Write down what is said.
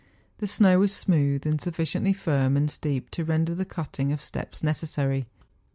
The snow was smooth, and sufficiently firm and steep to render the cutting of steps necessary.